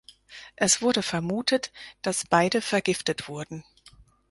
Es wurde vermutet, dass beide vergiftet wurden.